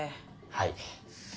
はい。